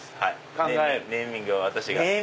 ネーミングは私が。